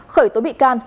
khởi tố bị can